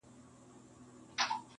کشپ ولیدل له پاسه شنه کښتونه -